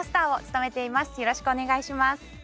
よろしくお願いします。